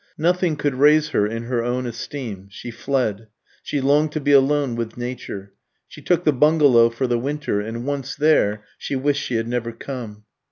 Nothing could raise her in her own esteem. She fled. She longed to be alone with Nature. She took the bungalow for the winter; and once there, she wished she had never come.